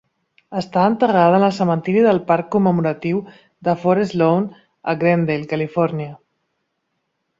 Està enterrada en el cementiri del parc commemoratiu de Forest Lawn a Glendale, Califòrnia.